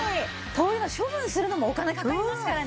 こういうの処分するのもお金かかりますからね。